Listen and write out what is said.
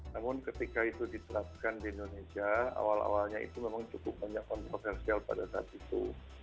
namun ketika itu diterapkan di indonesia awal awalnya itu memang cukup banyak kontroversial pada saat itu